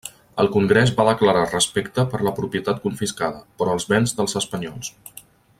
El Congrés va declarar respecte per la propietat confiscada, però els béns dels espanyols.